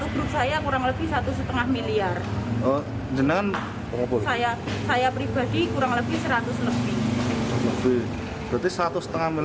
kerugian satu grup saya kurang lebih satu lima miliar